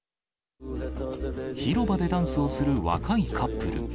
広場でダンスをする若いカップル。